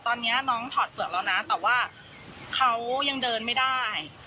ตอนนี้น้องถอดเฝือกแล้วนะแต่ว่าเขายังเดินไม่ได้